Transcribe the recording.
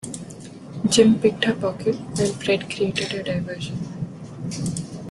Jim picked her pocket while Fred created a diversion